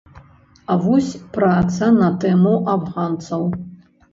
А вось праца на тэму афганцаў.